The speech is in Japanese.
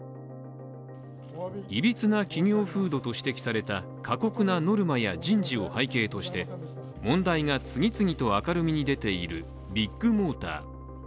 いびつな企業風土と指摘された過酷なノルマや人事を背景として問題が次々と明るみに出ているビッグモーター。